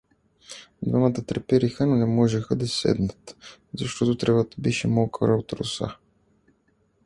Двамата трепереха, но не можеха да седнат, защото тревата беше мокра от роса.